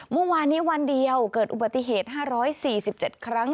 เมื่อวานนี้วันเดียวเกิดอุบัติเหตุ๕๔๗ครั้ง